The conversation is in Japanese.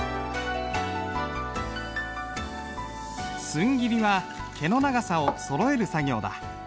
寸切りは毛の長さをそろえる作業だ。